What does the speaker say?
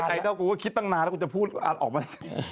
ไอดอลกูก็คิดตั้งนานแล้วกูจะพูดออกมา